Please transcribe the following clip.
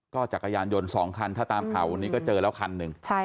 จักรยานยนต์๒คันถ้าตามข่าววันนี้ก็เจอแล้วคันหนึ่ง